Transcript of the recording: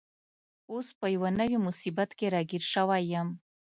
اوس په یوه نوي مصیبت کي راګیر شوی یم.